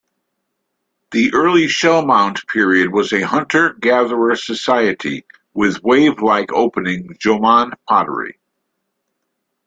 The Early Shell Mound period was a hunter-gatherer society, with wave-like opening Jomon pottery.